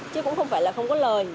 chứ cũng không phải là không có lời